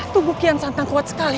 tubuh kian sangat kuat sekali